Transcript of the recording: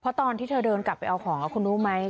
เพราะตอนที่เธอเดินกลับไปเอาของคุณรู้ไหม